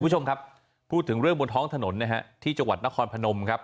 คุณผู้ชมครับพูดถึงเรื่องบนท้องถนนนะฮะที่จังหวัดนครพนมครับ